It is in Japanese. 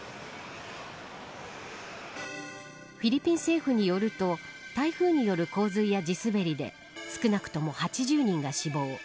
フィリピン政府によると台風による洪水や地すべりで少なくとも８０人が死亡。